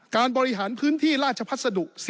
การบริหารพื้นที่ราชภัสดุ๑๒ล้านไล่ทั่วประเทศ